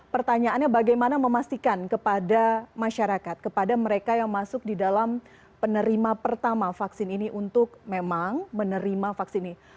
pertanyaannya bagaimana memastikan kepada masyarakat kepada mereka yang masuk di dalam penerima pertama vaksin ini untuk memang menerima vaksin ini